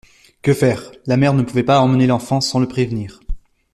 Que faire ? La mère ne pouvait pas emmener l'enfant sans le prévenir.